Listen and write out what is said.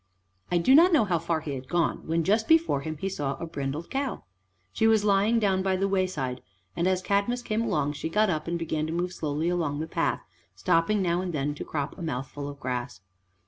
I do not know how far he had gone when just before him he saw a brindled cow. She was lying down by the wayside, and as Cadmus came along she got up and began to move slowly along the path, stopping now and then to crop a mouthful of grass.